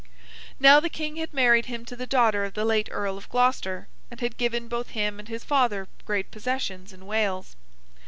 Now, the King had married him to the daughter of the late Earl of Gloucester, and had given both him and his father great possessions in Wales.